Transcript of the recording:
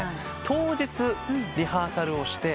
当日リハーサルをして。